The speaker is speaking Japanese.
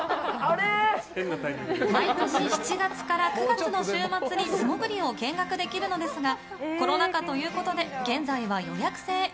毎年７月から９月の週末に素潜りを見学できるのですがコロナ禍ということで現在は予約制。